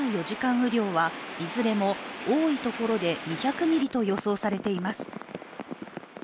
雨量はいずれも多いところで２００ミリと予想されています。